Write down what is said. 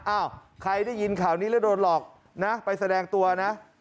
อ้าวใครได้ยินข่าวนี้แล้วโดนหลอกนะไปแสดงตัวนะ